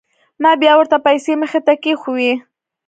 ما بيا ورته پيسې مخې ته کښېښووې.